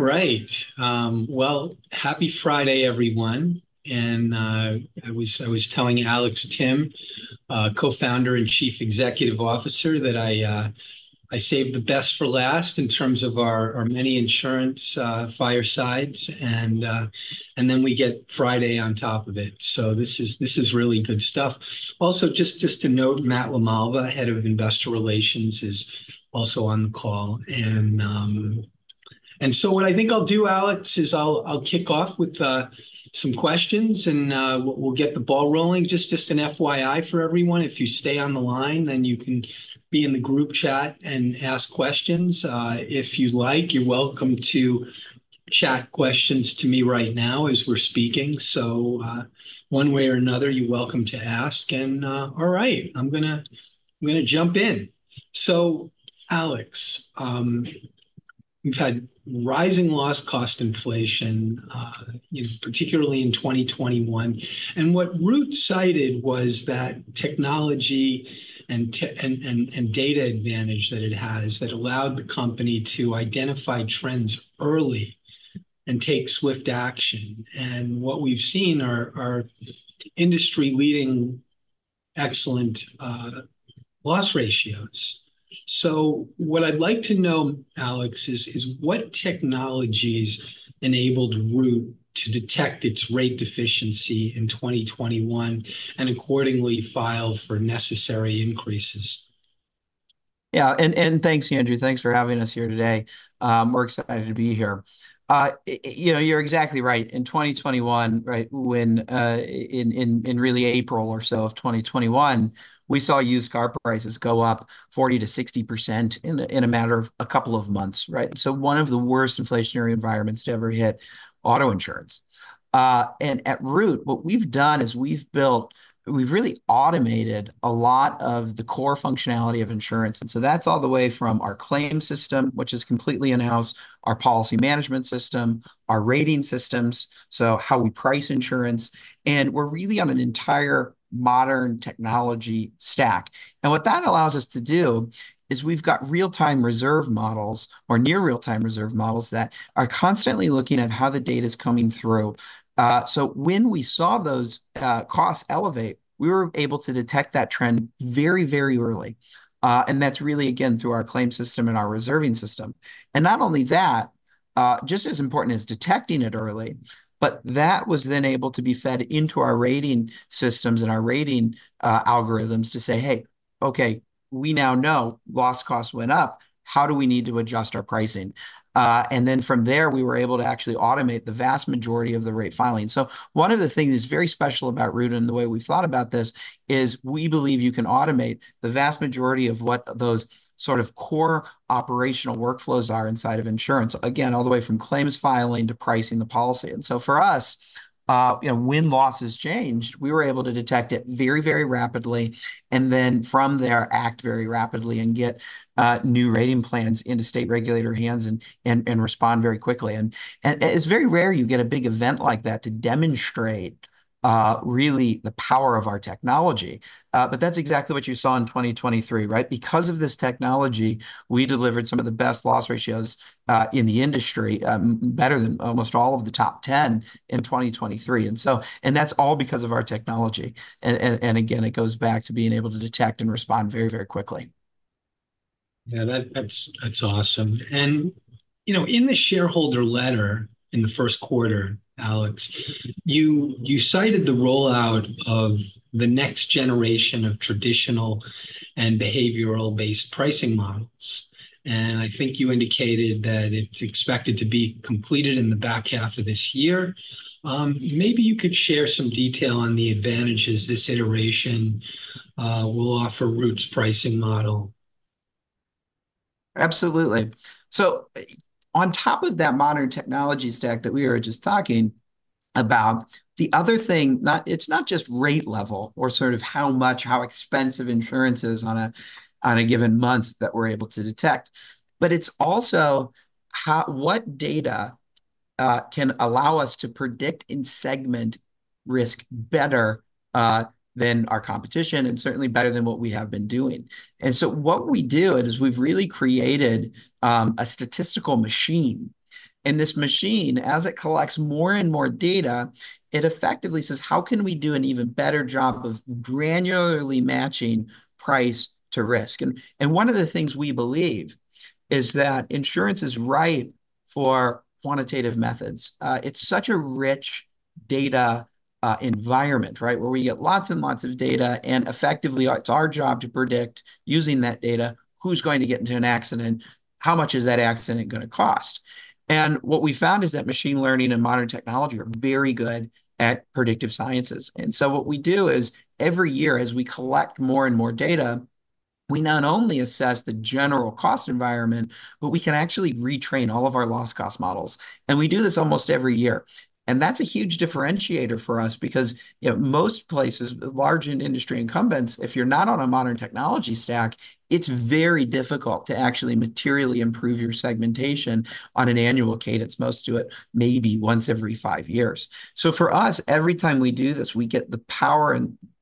All right. Well, happy Friday, everyone. I was telling Alex Timm, Co-founder and Chief Executive Officer, that I saved the best for last in terms of our many insurance firesides, and then we get Friday on top of it. This is really good stuff. Also, just to note, Matt LaMalva, Head of Investor Relations, is also on the call. What I think I'll do, Alex, is I'll kick off with some questions, and we'll get the ball rolling. Just an FYI for everyone, if you stay on the line, then you can be in the group chat and ask questions. If you'd like, you're welcome to chat questions to me right now as we're speaking. One way or another, you're welcome to ask. All right, I'm going to jump in. Alex, we've had rising loss cost inflation, particularly in 2021. What Root cited was that technology and data advantage that it has that allowed the company to identify trends early and take swift action. What we've seen are industry-leading excellent loss ratios. What I'd like to know, Alex, is what technologies enabled Root to detect its rate deficiency in 2021 and accordingly file for necessary increases? Yeah. And thanks, Andrew. Thanks for having us here today. We're excited to be here. You're exactly right. In 2021, right, in really April or so of 2021, we saw used car prices go up 40%-60% in a matter of a couple of months, right? So one of the worst inflationary environments to ever hit auto insurance. And at Root, what we've done is we've really automated a lot of the core functionality of insurance. And so that's all the way from our claim system, which is completely in-house, our policy management system, our rating systems, so how we price insurance. And we're really on an entire modern technology stack. And what that allows us to do is we've got real-time reserve models or near real-time reserve models that are constantly looking at how the data is coming through. So when we saw those costs elevate, we were able to detect that trend very, very early. And that's really, again, through our claim system and our reserving system. And not only that, just as important as detecting it early, but that was then able to be fed into our rating systems and our rating algorithms to say, "Hey, okay, we now know loss costs went up. How do we need to adjust our pricing?" And then from there, we were able to actually automate the vast majority of the rate filing. So one of the things that's very special about Root and the way we've thought about this is we believe you can automate the vast majority of what those sort of core operational workflows are inside of insurance, again, all the way from claims filing to pricing the policy. And so for us, when losses changed, we were able to detect it very, very rapidly and then from there act very rapidly and get new rating plans into state regulator hands and respond very quickly. And it's very rare you get a big event like that to demonstrate really the power of our technology. But that's exactly what you saw in 2023, right? Because of this technology, we delivered some of the best loss ratios in the industry, better than almost all of the top 10 in 2023. And that's all because of our technology. And again, it goes back to being able to detect and respond very, very quickly. Yeah, that's awesome. And in the shareholder letter in the first quarter, Alex, you cited the rollout of the next generation of traditional and behavioral-based pricing models. And I think you indicated that it's expected to be completed in the back half of this year. Maybe you could share some detail on the advantages this iteration will offer Root's pricing model. Absolutely. So on top of that modern technology stack that we were just talking about, the other thing, it's not just rate level or sort of how much, how expensive insurance is on a given month that we're able to detect, but it's also what data can allow us to predict and segment risk better than our competition and certainly better than what we have been doing. And so what we do is we've really created a statistical machine. And this machine, as it collects more and more data, it effectively says, "How can we do an even better job of granularly matching price to risk?" And one of the things we believe is that insurance is ripe for quantitative methods. It's such a rich data environment, right, where we get lots and lots of data. Effectively, it's our job to predict using that data who's going to get into an accident, how much is that accident going to cost. What we found is that machine learning and modern technology are very good at predictive sciences. So what we do is every year, as we collect more and more data, we not only assess the general cost environment, but we can actually retrain all of our loss cost models. We do this almost every year. That's a huge differentiator for us because most places, large industry incumbents, if you're not on a modern technology stack, it's very difficult to actually materially improve your segmentation on an annual cadence. Most do it maybe once every five years. So for us, every time we do this, we get the power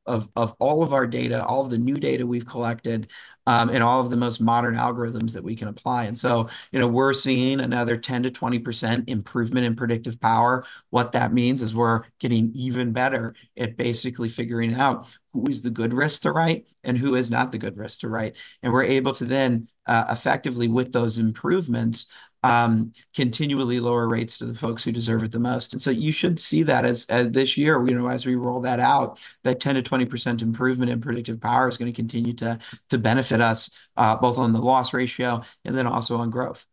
of all of our data, all of the new data we've collected, and all of the most modern algorithms that we can apply. And so we're seeing another 10%-20% improvement in predictive power. What that means is we're getting even better at basically figuring out who is the good risk to write and who is not the good risk to write. And we're able to then effectively, with those improvements, continually lower rates to the folks who deserve it the most. And so you should see that as this year, as we roll that out, that 10%-20% improvement in predictive power is going to continue to benefit us both on the loss ratio and then also on growth.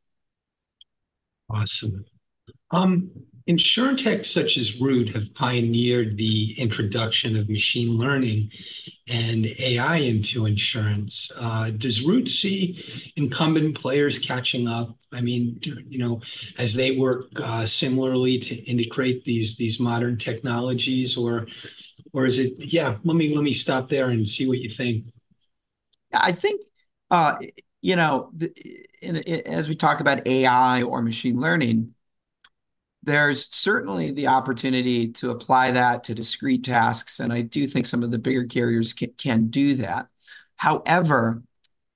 Awesome. Insurtechs such as Root have pioneered the introduction of machine learning and AI into insurance. Does Root see incumbent players catching up? I mean, as they work similarly to integrate these modern technologies, or is it, yeah, let me stop there and see what you think. I think as we talk about AI or machine learning, there's certainly the opportunity to apply that to discrete tasks. And I do think some of the bigger carriers can do that. However,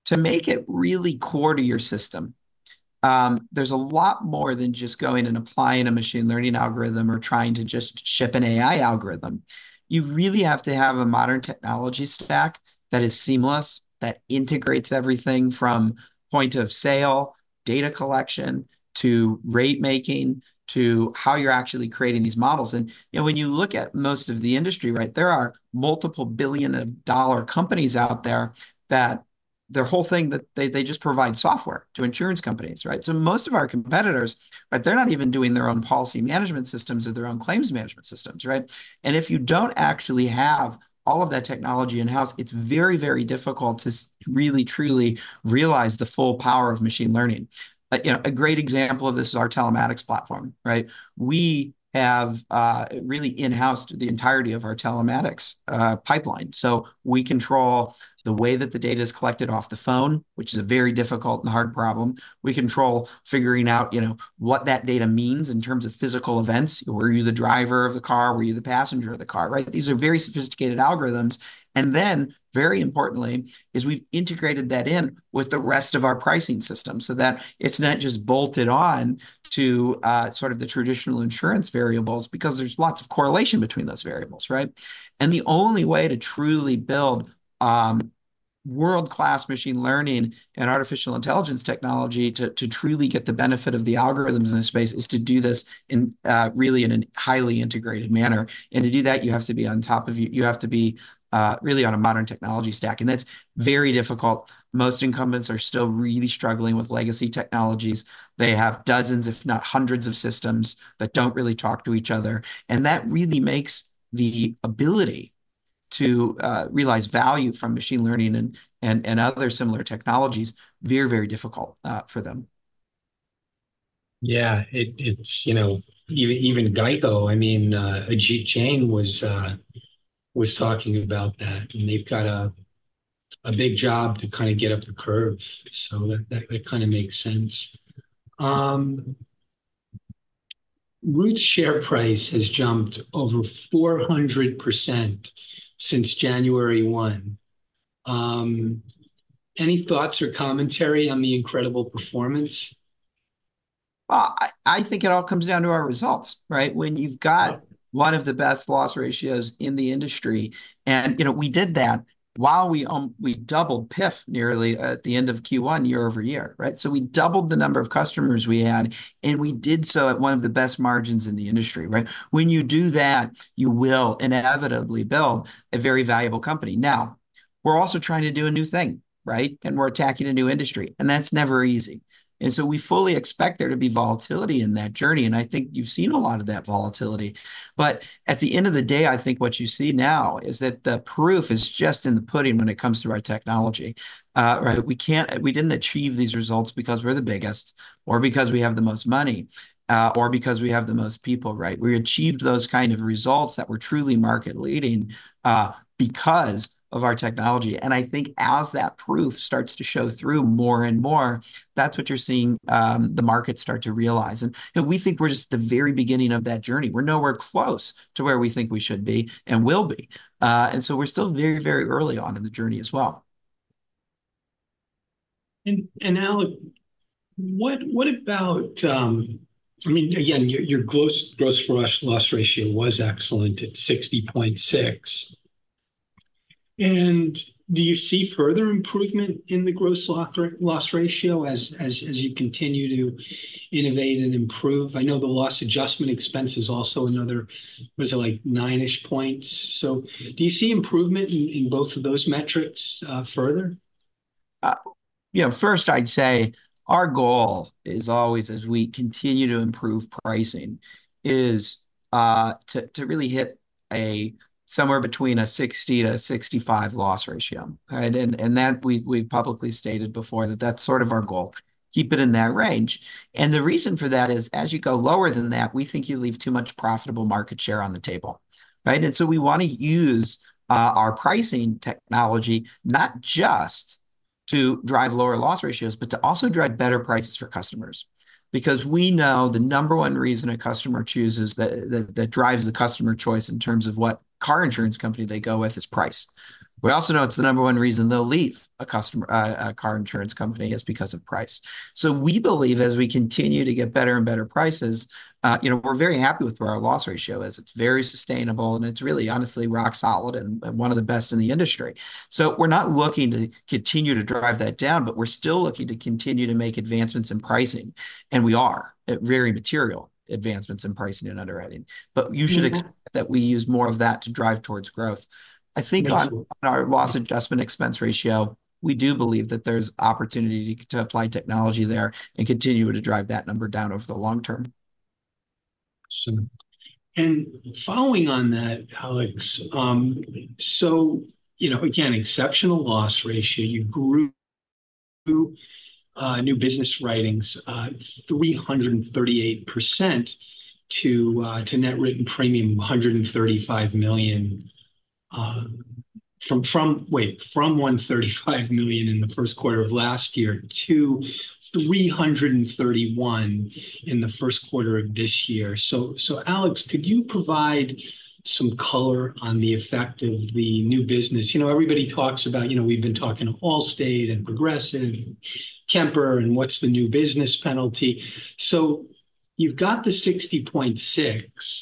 to make it really core to your system, there's a lot more than just going and applying a machine learning algorithm or trying to just ship an AI algorithm. You really have to have a modern technology stack that is seamless, that integrates everything from point of sale, data collection, to rate making, to how you're actually creating these models. And when you look at most of the industry, right, there are multiple billion-dollar companies out there that their whole thing, they just provide software to insurance companies, right? So most of our competitors, right, they're not even doing their own policy management systems or their own claims management systems, right? And if you don't actually have all of that technology in-house, it's very, very difficult to really, truly realize the full power of machine learning. A great example of this is our telematics platform, right? We have really in-house the entirety of our telematics pipeline. So we control the way that the data is collected off the phone, which is a very difficult and hard problem. We control figuring out what that data means in terms of physical events. Were you the driver of the car? Were you the passenger of the car, right? These are very sophisticated algorithms. And then, very importantly, is we've integrated that in with the rest of our pricing system so that it's not just bolted on to sort of the traditional insurance variables because there's lots of correlation between those variables, right? The only way to truly build world-class machine learning and artificial intelligence technology to truly get the benefit of the algorithms in this space is to do this really in a highly integrated manner. To do that, you have to be really on a modern technology stack. That's very difficult. Most incumbents are still really struggling with legacy technologies. They have dozens, if not hundreds, of systems that don't really talk to each other. And that really makes the ability to realize value from machine learning and other similar technologies very, very difficult for them. Yeah. Even GEICO, I mean, Ajit Jain was talking about that. And they've got a big job to kind of get up the curve. So that kind of makes sense. Root's share price has jumped over 400% since January 1. Any thoughts or commentary on the incredible performance? Well, I think it all comes down to our results, right? When you've got one of the best loss ratios in the industry, and we did that while we doubled PIF nearly at the end of Q1 year-over-year, right? So we doubled the number of customers we had, and we did so at one of the best margins in the industry, right? When you do that, you will inevitably build a very valuable company. Now, we're also trying to do a new thing, right? And we're attacking a new industry. And that's never easy. And so we fully expect there to be volatility in that journey. And I think you've seen a lot of that volatility. But at the end of the day, I think what you see now is that the proof is just in the pudding when it comes to our technology, right? We didn't achieve these results because we're the biggest or because we have the most money or because we have the most people, right? We achieved those kind of results that were truly market-leading because of our technology. And I think as that proof starts to show through more and more, that's what you're seeing the markets start to realize. And we think we're just at the very beginning of that journey. We're nowhere close to where we think we should be and will be. And so we're still very, very early on in the journey as well. Alex, what about, I mean, again, your gross loss ratio was excellent at 60.6%. Do you see further improvement in the gross loss ratio as you continue to innovate and improve? I know the loss adjustment expense is also another, was it like 9-ish points? So do you see improvement in both of those metrics further? Yeah. First, I'd say our goal is always, as we continue to improve pricing, is to really hit somewhere between 60%-65% loss ratio. And that we've publicly stated before that that's sort of our goal, keep it in that range. And the reason for that is, as you go lower than that, we think you leave too much profitable market share on the table, right? And so we want to use our pricing technology not just to drive lower loss ratios, but to also drive better prices for customers because we know the number one reason a customer chooses that drives the customer choice in terms of what car insurance company they go with is price. We also know it's the number one reason they'll leave a car insurance company is because of price. So we believe as we continue to get better and better prices, we're very happy with where our loss ratio is. It's very sustainable, and it's really, honestly, rock solid and one of the best in the industry. So we're not looking to continue to drive that down, but we're still looking to continue to make advancements in pricing. And we are at very material advancements in pricing and underwriting. But you should expect that we use more of that to drive towards growth. I think on our loss adjustment expense ratio, we do believe that there's opportunity to apply technology there and continue to drive that number down over the long term. Following on that, Alex, so again, exceptional loss ratio, you grew new business writings 338% to net written premium $135 million from, wait, from $135 million in the first quarter of last year to $331 million in the first quarter of this year. So Alex, could you provide some color on the effect of the new business? Everybody talks about, we've been talking to Allstate and Progressive and Kemper and what's the new business penalty. So you've got the 60.6%.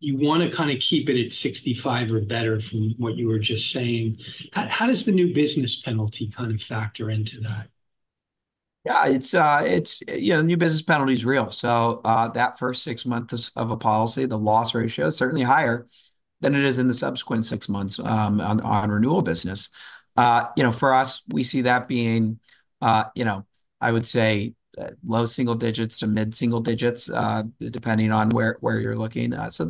You want to kind of keep it at 65% or better from what you were just saying. How does the new business penalty kind of factor into that? Yeah. The new business penalty is real. So that first six months of a policy, the loss ratio is certainly higher than it is in the subsequent six months on renewal business. For us, we see that being, I would say, low single digits to mid-single digits depending on where you're looking. So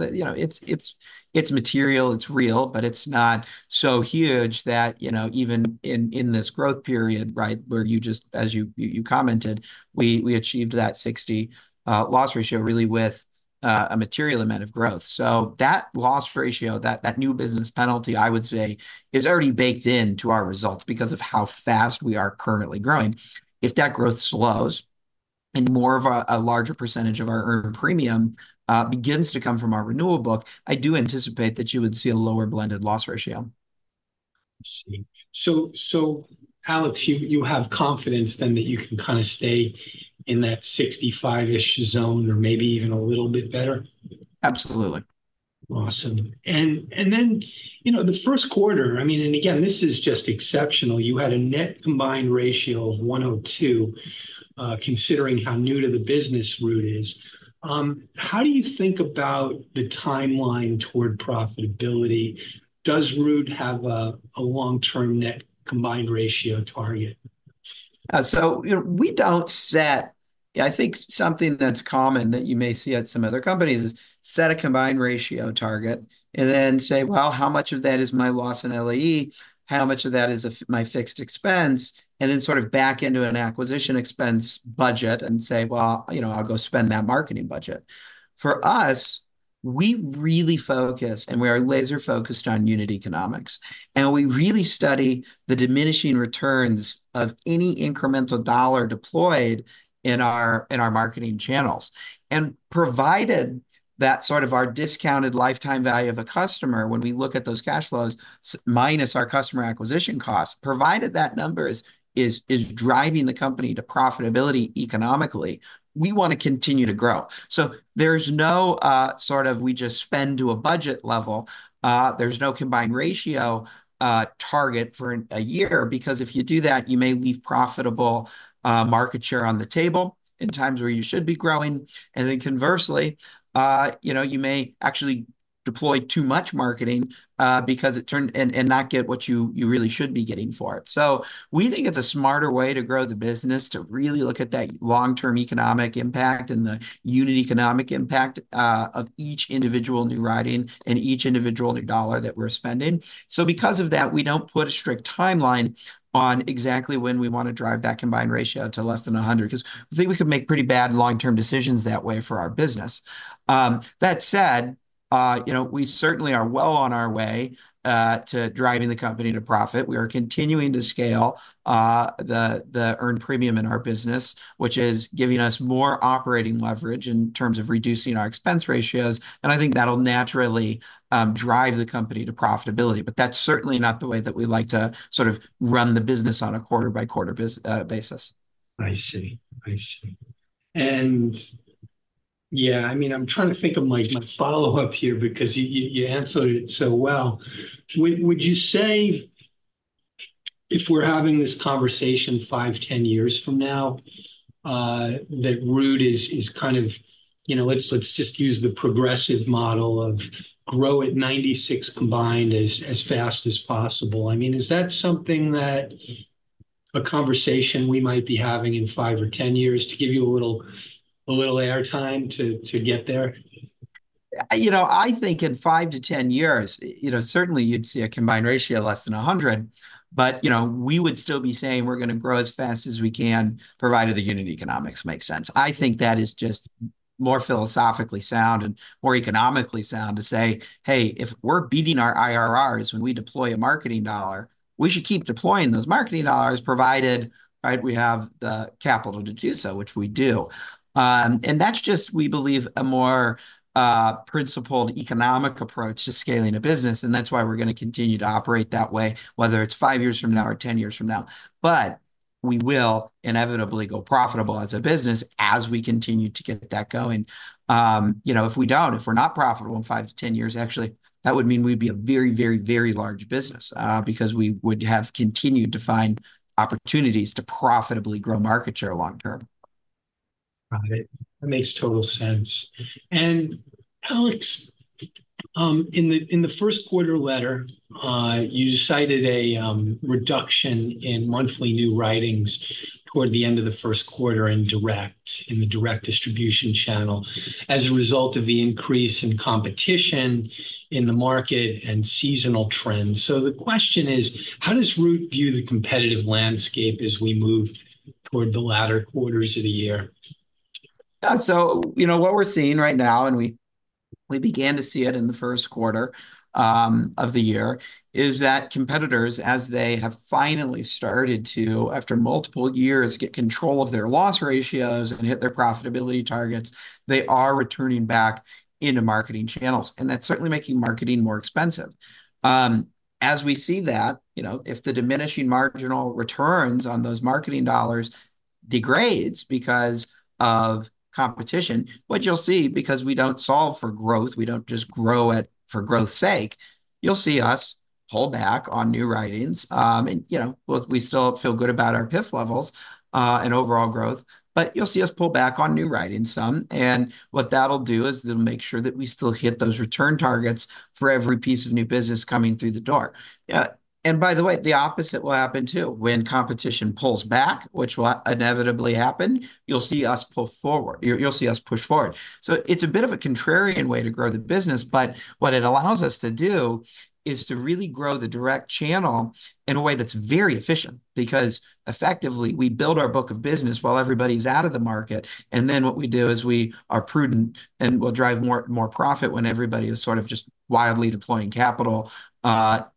it's material. It's real, but it's not so huge that even in this growth period, right, where you just, as you commented, we achieved that 60 loss ratio really with a material amount of growth. So that loss ratio, that new business penalty, I would say, is already baked into our results because of how fast we are currently growing. If that growth slows and more of a larger percentage of our earned premium begins to come from our renewal book, I do anticipate that you would see a lower blended loss ratio. Alex, you have confidence then that you can kind of stay in that 65-ish zone or maybe even a little bit better? Absolutely. Awesome. Then the first quarter, I mean, and again, this is just exceptional. You had a net combined ratio of 102 considering how new to the business Root is. How do you think about the timeline toward profitability? Does Root have a long-term net combined ratio target? So we don't set. I think something that's common that you may see at some other companies is set a combined ratio target and then say, "Well, how much of that is my loss in LAE? How much of that is my fixed expense?" And then sort of back into an acquisition expense budget and say, "Well, I'll go spend that marketing budget." For us, we really focus and we are laser-focused on unit economics. And we really study the diminishing returns of any incremental dollar deployed in our marketing channels. And provided that sort of our discounted lifetime value of a customer, when we look at those cash flows minus our customer acquisition costs, provided that number is driving the company to profitability economically, we want to continue to grow. So there's no sort of we just spend to a budget level. There's no combined ratio target for a year because if you do that, you may leave profitable market share on the table in times where you should be growing. And then conversely, you may actually deploy too much marketing and not get what you really should be getting for it. So we think it's a smarter way to grow the business to really look at that long-term economic impact and the unit economic impact of each individual new writing and each individual new dollar that we're spending. So because of that, we don't put a strict timeline on exactly when we want to drive that combined ratio to less than 100 because I think we could make pretty bad long-term decisions that way for our business. That said, we certainly are well on our way to driving the company to profit. We are continuing to scale the earned premium in our business, which is giving us more operating leverage in terms of reducing our expense ratios. I think that'll naturally drive the company to profitability. But that's certainly not the way that we like to sort of run the business on a quarter-by-quarter basis. I see. I see. And yeah, I mean, I'm trying to think of my follow-up here because you answered it so well. Would you say if we're having this conversation 5, 10 years from now that Root is kind of, let's just use the Progressive model of grow at 96 combined as fast as possible? I mean, is that something that a conversation we might be having in 5 or 10 years to give you a little airtime to get there? I think in 5-10 years, certainly you'd see a combined ratio less than 100. But we would still be saying we're going to grow as fast as we can provided the unit economics make sense. I think that is just more philosophically sound and more economically sound to say, "Hey, if we're beating our IRRs when we deploy a marketing dollar, we should keep deploying those marketing dollars provided we have the capital to do so," which we do. And that's just, we believe, a more principled economic approach to scaling a business. And that's why we're going to continue to operate that way, whether it's 5 years from now or 10 years from now. But we will inevitably go profitable as a business as we continue to get that going. If we don't, if we're not profitable in 5-10 years, actually, that would mean we'd be a very, very, very large business because we would have continued to find opportunities to profitably grow market share long-term. Got it. That makes total sense. Alex, in the first quarter letter, you cited a reduction in monthly new writings toward the end of the first quarter in the direct distribution channel as a result of the increase in competition in the market and seasonal trends. The question is, how does Root view the competitive landscape as we move toward the latter quarters of the year? So what we're seeing right now, and we began to see it in the first quarter of the year, is that competitors, as they have finally started to, after multiple years, get control of their loss ratios and hit their profitability targets, they are returning back into marketing channels. That's certainly making marketing more expensive. As we see that, if the diminishing marginal returns on those marketing dollars degrades because of competition, what you'll see, because we don't solve for growth, we don't just grow for growth's sake, you'll see us pull back on new writings. We still feel good about our PIF levels and overall growth. But you'll see us pull back on new writings some. What that'll do is it'll make sure that we still hit those return targets for every piece of new business coming through the door. By the way, the opposite will happen too. When competition pulls back, which will inevitably happen, you'll see us push forward. You'll see us push forward. So it's a bit of a contrarian way to grow the business. But what it allows us to do is to really grow the direct channel in a way that's very efficient because effectively, we build our book of business while everybody's out of the market. And then what we do is we are prudent and will drive more profit when everybody is sort of just wildly deploying capital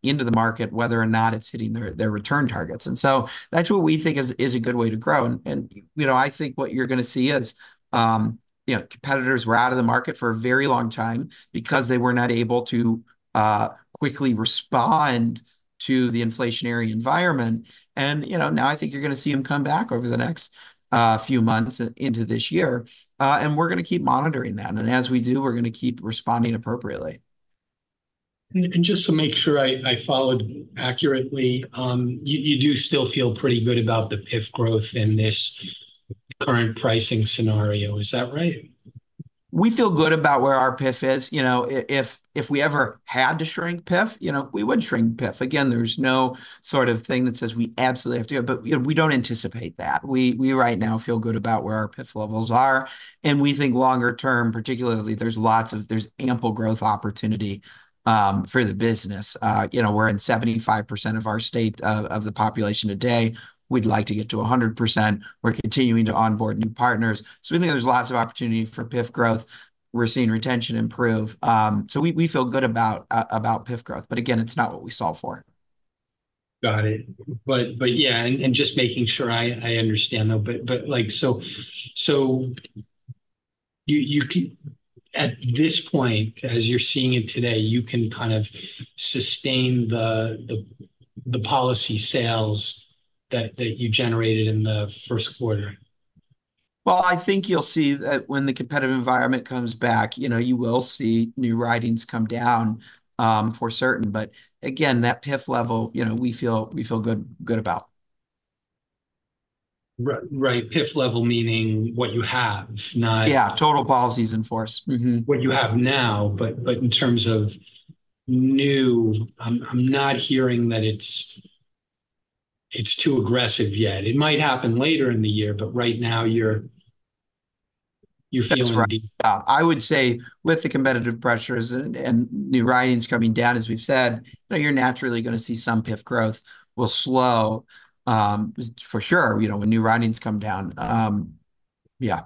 into the market, whether or not it's hitting their return targets. And so that's what we think is a good way to grow. I think what you're going to see is competitors were out of the market for a very long time because they were not able to quickly respond to the inflationary environment. Now I think you're going to see them come back over the next few months into this year. We're going to keep monitoring that. As we do, we're going to keep responding appropriately. Just to make sure I followed accurately, you do still feel pretty good about the PIF growth in this current pricing scenario. Is that right? We feel good about where our PIF is. If we ever had to shrink PIF, we would shrink PIF. Again, there's no sort of thing that says we absolutely have to do it. We don't anticipate that. We right now feel good about where our PIF levels are. We think longer term, particularly, there's ample growth opportunity for the business. We're in 75% of our states of the population today. We'd like to get to 100%. We're continuing to onboard new partners. We think there's lots of opportunity for PIF growth. We're seeing retention improve. We feel good about PIF growth. Again, it's not what we solve for. Got it. But yeah, and just making sure I understand though. So at this point, as you're seeing it today, you can kind of sustain the policy sales that you generated in the first quarter? Well, I think you'll see that when the competitive environment comes back, you will see new writings come down for certain. But again, that PIF level, we feel good about. Right. PIF level meaning what you have, not. Yeah. Total policies in force. What you have now, but in terms of new, I'm not hearing that it's too aggressive yet. It might happen later in the year, but right now, you're feeling. Yeah. I would say with the competitive pressures and new writings coming down, as we've said, you're naturally going to see some PIF growth will slow for sure when new writings come down. Yeah.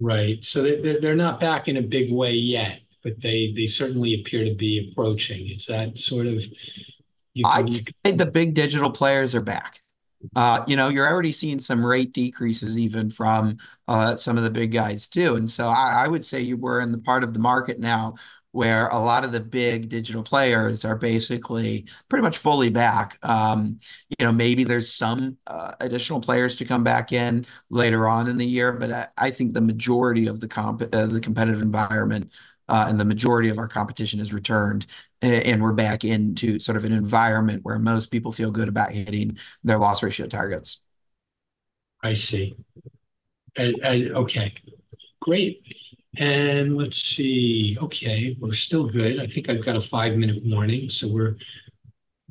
Right. So they're not back in a big way yet, but they certainly appear to be approaching. Is that sort of you think? I think the big digital players are back. You're already seeing some rate decreases even from some of the big guys too. And so I would say you were in the part of the market now where a lot of the big digital players are basically pretty much fully back. Maybe there's some additional players to come back in later on in the year. But I think the majority of the competitive environment and the majority of our competition has returned. And we're back into sort of an environment where most people feel good about hitting their loss ratio targets. I see. Okay. Great. And let's see. Okay. We're still good. I think I've got a five-minute warning, so we're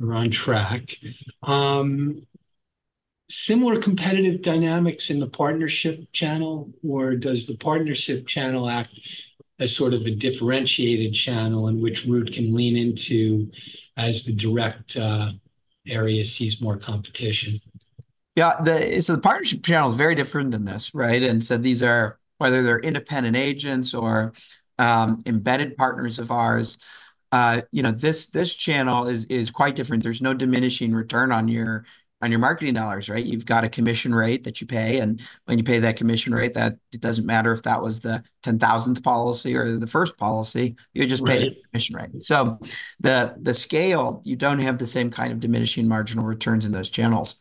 on track. Similar competitive dynamics in the partnership channel, or does the partnership channel act as sort of a differentiated channel in which Root can lean into as the direct area sees more competition? Yeah. So the partnership channel is very different than this, right? And so these are, whether they're independent agents or embedded partners of ours, this channel is quite different. There's no diminishing return on your marketing dollars, right? You've got a commission rate that you pay. And when you pay that commission rate, it doesn't matter if that was the 10,000th policy or the first policy. You just pay the commission rate. So the scale, you don't have the same kind of diminishing marginal returns in those channels.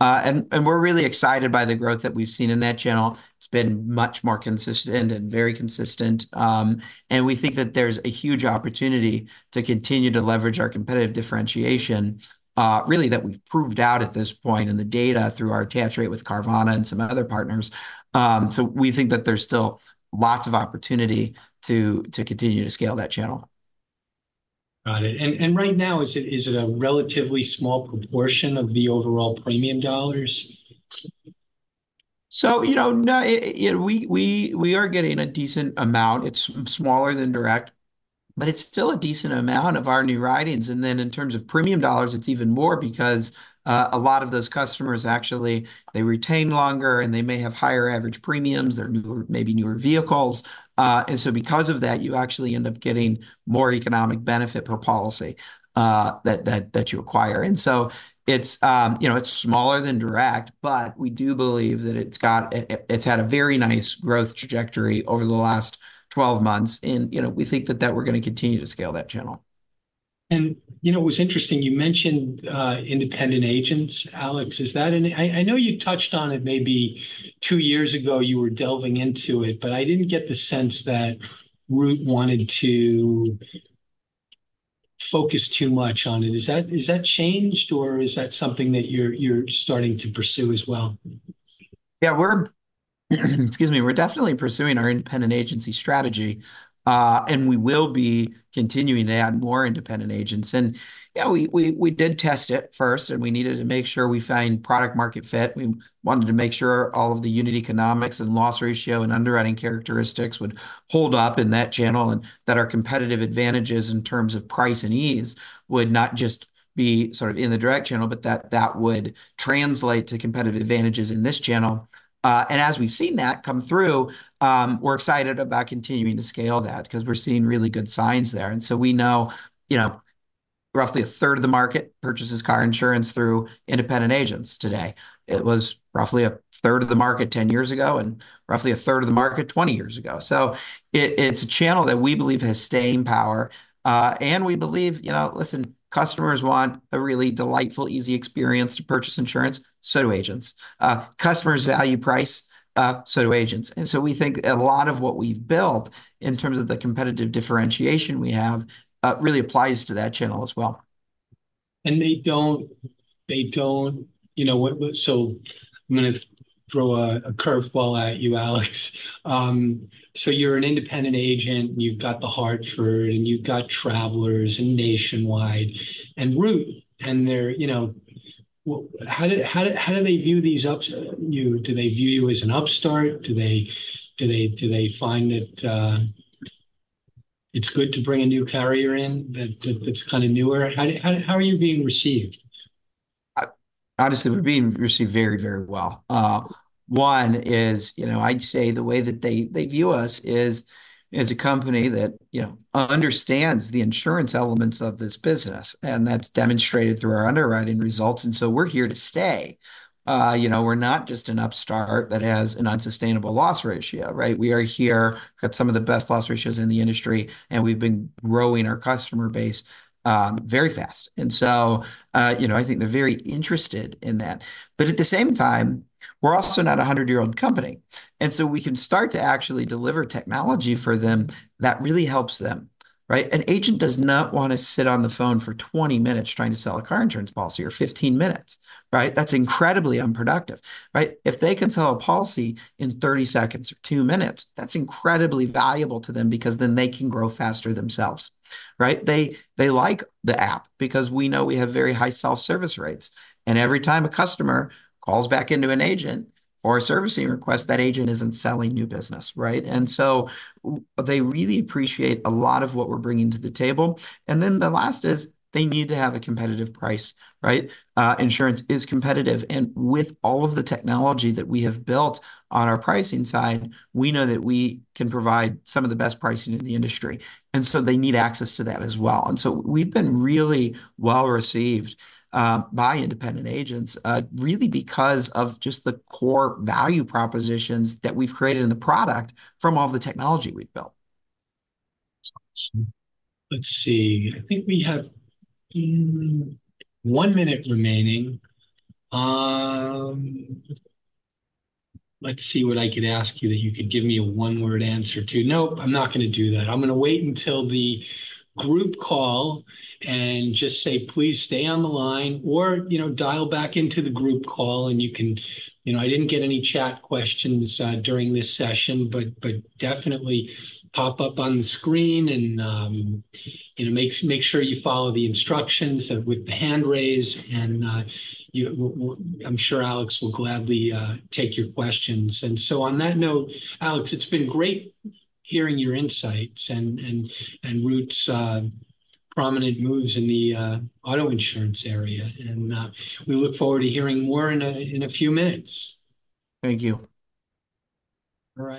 And we're really excited by the growth that we've seen in that channel. It's been much more consistent and very consistent. And we think that there's a huge opportunity to continue to leverage our competitive differentiation, really, that we've proved out at this point in the data through our attach rate with Carvana and some other partners. We think that there's still lots of opportunity to continue to scale that channel. Got it. And right now, is it a relatively small proportion of the overall premium dollars? We are getting a decent amount. It's smaller than direct. It's still a decent amount of our new writings. Then in terms of premium dollars, it's even more because a lot of those customers actually, they retain longer, and they may have higher average premiums. They're maybe newer vehicles. So because of that, you actually end up getting more economic benefit per policy that you acquire. So it's smaller than direct. We do believe that it's had a very nice growth trajectory over the last 12 months. We think that we're going to continue to scale that channel. It was interesting. You mentioned independent agents, Alex. I know you touched on it maybe two years ago. You were delving into it. But I didn't get the sense that Root wanted to focus too much on it. Is that changed, or is that something that you're starting to pursue as well? Yeah. Excuse me. We're definitely pursuing our independent agency strategy. We will be continuing to add more independent agents. Yeah, we did test it first. We needed to make sure we found product-market fit. We wanted to make sure all of the unit economics and loss ratio and underwriting characteristics would hold up in that channel and that our competitive advantages in terms of price and ease would not just be sort of in the direct channel, but that that would translate to competitive advantages in this channel. As we've seen that come through, we're excited about continuing to scale that because we're seeing really good signs there. We know roughly a third of the market purchases car insurance through independent agents today. It was roughly a third of the market 10 years ago and roughly a third of the market 20 years ago. So it's a channel that we believe has staying power. And we believe, listen, customers want a really delightful, easy experience to purchase insurance, so do agents. Customers value price, so do agents. And so we think a lot of what we've built in terms of the competitive differentiation we have really applies to that channel as well. They don't, so I'm going to throw a curveball at you, Alex. So you're an independent agent. You've got The Hartford, and you've got Travelers and Nationwide and Root. And how do they view us? Do they view you as an upstart? Do they find that it's good to bring a new carrier in that's kind of newer? How are you being received? Honestly, we're being received very, very well. One is I'd say the way that they view us is as a company that understands the insurance elements of this business. And that's demonstrated through our underwriting results. And so we're here to stay. We're not just an upstart that has an unsustainable loss ratio, right? We are here. We've got some of the best loss ratios in the industry. And we've been growing our customer base very fast. And so I think they're very interested in that. But at the same time, we're also not a 100-year-old company. And so we can start to actually deliver technology for them that really helps them, right? An agent does not want to sit on the phone for 20 minutes trying to sell a car insurance policy or 15 minutes, right? That's incredibly unproductive, right? If they can sell a policy in 30 seconds or 2 minutes, that's incredibly valuable to them because then they can grow faster themselves, right? They like the app because we know we have very high self-service rates. And every time a customer calls back into an agent for a servicing request, that agent isn't selling new business, right? And so they really appreciate a lot of what we're bringing to the table. And then the last is they need to have a competitive price, right? Insurance is competitive. And with all of the technology that we have built on our pricing side, we know that we can provide some of the best pricing in the industry. And so they need access to that as well. And so we've been really well received by independent agents really because of just the core value propositions that we've created in the product from all the technology we've built. Let's see. I think we have one minute remaining. Let's see what I could ask you that you could give me a one-word answer to. Nope, I'm not going to do that. I'm going to wait until the group call and just say, "Please stay on the line," or dial back into the group call. And I didn't get any chat questions during this session, but definitely pop up on the screen and make sure you follow the instructions with the hand raise. And I'm sure Alex will gladly take your questions. And so on that note, Alex, it's been great hearing your insights and Root's prominent moves in the auto insurance area. And we look forward to hearing more in a few minutes. Thank you. All right.